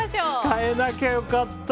変えなきゃよかった。